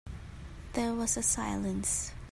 There was a silence.